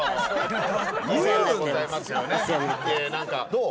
どう？